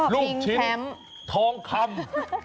ลูกชิ้นทองคำ